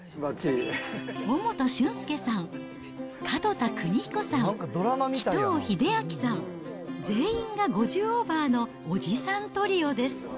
小元俊祐さん、門田邦彦さん、鬼頭英明さん、全員が５０オーバーのおじさんトリオです。